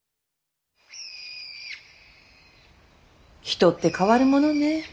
人って変わるものね。